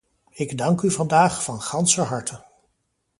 Ik dank u vandaag van ganser harte!